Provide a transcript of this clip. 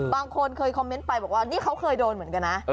บางคนเคยคอมเมนต์ไปบอกว่านี่เขาเคยโดนเหมือนกันนะ